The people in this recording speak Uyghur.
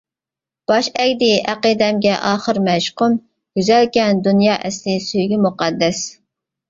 باش ئەگدى ئەقىدەمگە ئاخىر مەشۇقۇم، گۈزەلكەن دۇنيا ئەسلى سۆيگۈ مۇقەددەس!